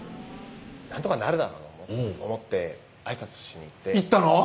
なんとかなるだろうと思ってあいさつしに行って行ったの？